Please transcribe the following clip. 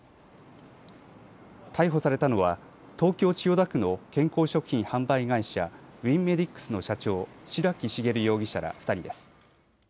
逮捕されたのは東京千代田区の健康食品販売会社、ウィンメディックスの社長、白木茂容疑者ら２人です。